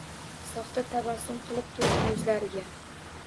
Soxta tabassum qilib turdim yuzlariga.